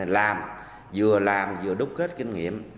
làm vừa làm vừa đúc hết kinh nghiệm